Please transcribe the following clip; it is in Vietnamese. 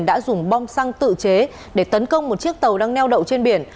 đã dùng bom xăng tự chế để tấn công một chiếc tàu đang neo đậu trên biển